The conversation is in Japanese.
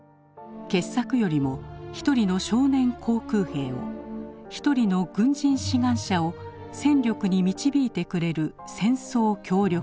傑作よりも一人の少年航空兵を一人の軍人志願者を戦力に導いてくれる戦争協力